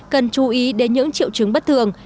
cần chú ý đến những triệu chứng bất thường